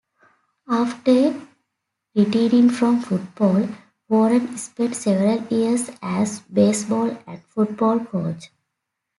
After retiring from football, Warren spent several years as baseball and football coach.